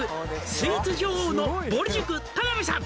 「スイーツ女王のぼる塾田辺さん」